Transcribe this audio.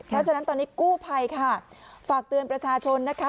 เพราะฉะนั้นตอนนี้กู้ภัยค่ะฝากเตือนประชาชนนะคะ